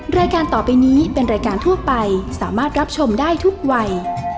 รายการต่อไปนี้เป็นรายการทั่วไปสามารถรับชมได้ทุกวัย